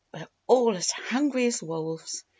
We're all as hungry as wolves!"